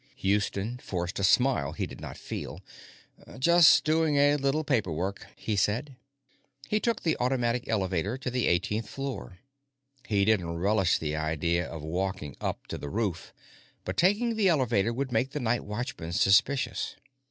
Houston forced a smile he did not feel. "Just doing a little paper work," he said. He took the automatic elevator to the eighteenth floor. He didn't relish the idea of walking up to the roof, but taking the elevator would make the nightwatchman suspicious.